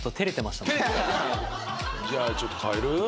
じゃあちょっと変える？